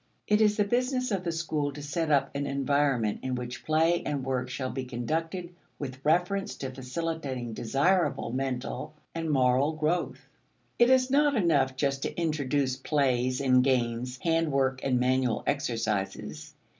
It is the business of the school to set up an environment in which play and work shall be conducted with reference to facilitating desirable mental and moral growth. It is not enough just to introduce plays and games, hand work and manual exercises.